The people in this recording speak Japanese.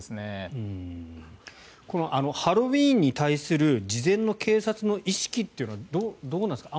ハロウィーンに対する事前の警察の意識というのはどうなんですか？